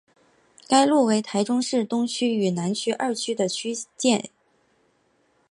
该路为台中市东区与南区二区的区界。